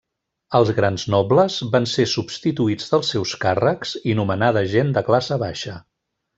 Els grans nobles van ser substituïts dels seus càrrecs i nomenada gent de classe baixa.